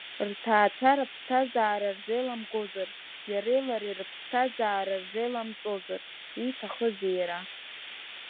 Рҭаацәара ԥсҭазаара рзеиламгозар, иареи лареи рԥсҭазаара рзеиламҵозар, ииҭахызи иара?